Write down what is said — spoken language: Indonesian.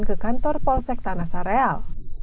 dan ke kantor polsek tanasa real